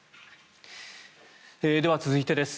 では、続いてです。